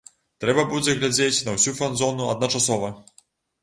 Трэба будзе глядзець на ўсю фанзону адначасова!